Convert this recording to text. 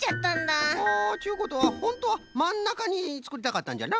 あちゅうことはほんとはまんなかにつくりたかったんじゃな？